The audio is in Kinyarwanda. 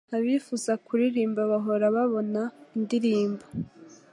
Abifuza kuririmba bahora babona indirimbo.